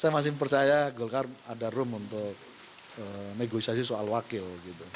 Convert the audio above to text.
saya masih percaya golkar ada room untuk negosiasi soal wakil gitu